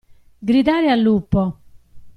Gridare al lupo.